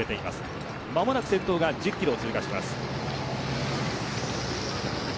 間もなく先頭が１０キロを通過します。